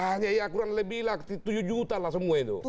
hanya ya kurang lebih lah tujuh juta lah semua itu